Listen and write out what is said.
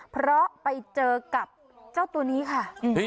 เพราะไปเจอกับเจ้าตัวนี้ค่ะ